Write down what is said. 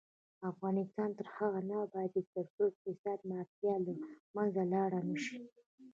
افغانستان تر هغو نه ابادیږي، ترڅو اقتصادي مافیا له منځه لاړه نشي.